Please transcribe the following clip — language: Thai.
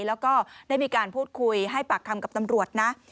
แล้วก็ได้มีการพูดคุยให้ปากคำกับตำรวจนะ